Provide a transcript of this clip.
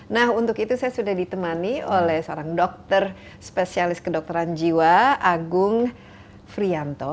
nah untuk itu saya sudah ditemani oleh seorang dokter spesialis kedokteran jiwa agung frianto